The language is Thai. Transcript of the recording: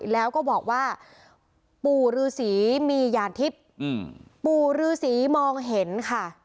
แล้วก็บอกว่าปู่ฤษีมียานทิพย์ปู่ฤษีมองเห็นค่ะ